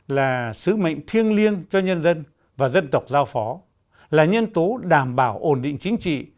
là sứ mệnh thiêng liêng cho nhân dân và dân tộc giao phó là nhân tố đảm bảo ổn định chính trị